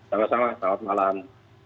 sama sama selamat malam